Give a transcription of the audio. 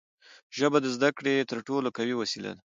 ژبه د زدهکړې تر ټولو قوي وسیله ده.